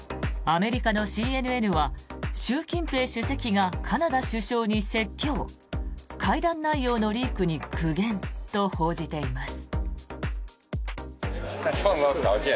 アメリカのＣＮＮは習近平主席がカナダ首相に説教会談内容のリークに苦言と報じています。